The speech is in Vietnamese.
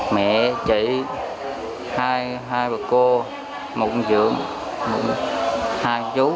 mẹ chị hai bà cô một bà trưởng